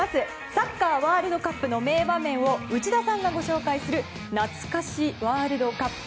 サッカーワールドカップの名場面を内田さんがご紹介するなつか史ワールドカップ。